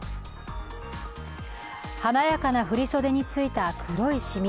華やかな振り袖についた黒いしみ。